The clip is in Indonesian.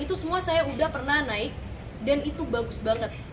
itu semua saya udah pernah naik dan itu bagus banget